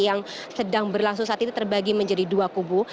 yang sedang berlangsung saat ini terbagi menjadi dua kubu